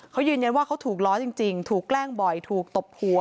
เขายืนยันว่าเขาถูกล้อจริงถูกแกล้งบ่อยถูกตบหัว